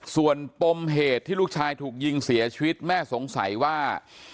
ส่วนปมเหตุที่ลูกชายถูกยิงเสียชีวิตแม่สงสัยว่า